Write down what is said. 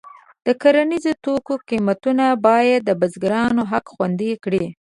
د کرنیزو توکو قیمتونه باید د بزګرانو حق خوندي کړي.